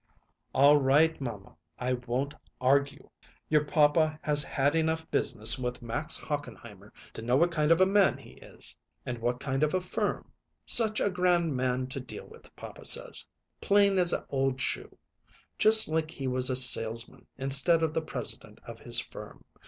"All right, mamma; I won't argue." "Your papa has had enough business with Max Hochenheimer to know what kind of a man he is and what kind of a firm. Such a grand man to deal with, papa says. Plain as a old shoe just like he was a salesman instead of the president of his firm.